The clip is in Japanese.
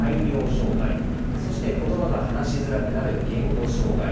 そして言葉が話しづらくなる「言語障害」。